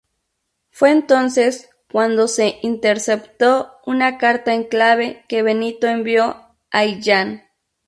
Fue entonces cuando se interceptó una carta en clave que Benito envió a Illán.